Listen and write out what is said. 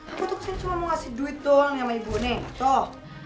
aku tuh kesini cuma mau ngasih duit dong sama ibu nih toh